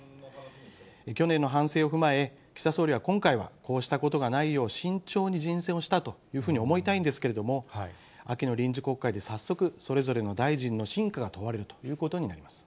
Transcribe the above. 去年の反省を踏まえ、岸田総理は今回は、こうしたことがないよう、慎重に人選をしたと思いたいんですけれども、秋の臨時国会で早速、それぞれの大臣の真価が問われるということになります。